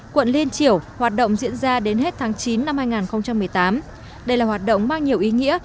quận liên triểu hoạt động diễn ra đến hết tháng chín năm hai nghìn một mươi tám đây là hoạt động mang nhiều ý nghĩa